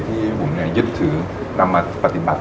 ที่ผมยึดถือนำมาปฏิบัติ